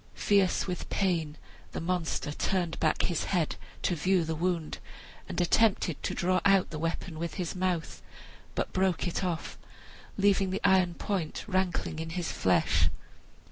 Fierce with pain, the monster turned back his head to view the wound, and attempted to draw out the weapon with his mouth, but broke it off, leaving the iron point rankling in his flesh.